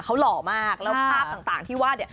เขาหล่อมากแล้วภาพต่างที่วาด